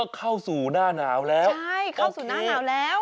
เข้าสู่หน้าหนาวแล้ว